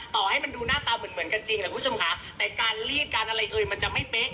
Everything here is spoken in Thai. ต่อให้มันดูหน้าตาเหมือนกันจริงแหละคุณผู้ชมค่ะแต่การลีดการอะไรเอ่ยมันจะไม่เป๊ะ